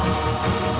aku akan menang